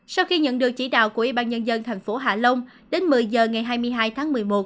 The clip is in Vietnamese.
sau khi nhận được chỉ đạo của ủy ban nhân dân thành phố hạ long đến một mươi giờ ngày hai mươi hai tháng một mươi một